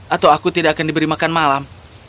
atau aku tidak akan diberi makan malam